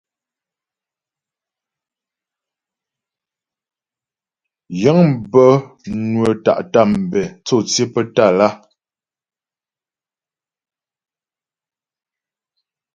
Yə̂ŋ bə́ nwə́ tá’ tambɛ̂ tsô tsyə́ pə́ Tâlá.